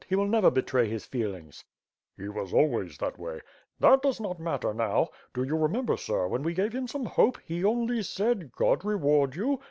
He will never betray his feelings/' "He was always that way." "That does not matter now. Do you remember, sir, when we gave him some hope, he only said *God reward you.